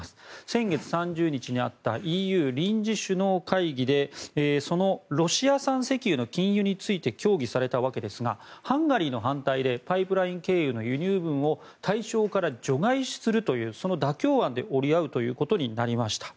先月３０日にあったＥＵ臨時首脳会議でそのロシア産石油の禁輸について協議されたわけですがハンガリーの反対でパイプライン経由の輸入分を対象から除外するという妥協案で折り合うということになりました。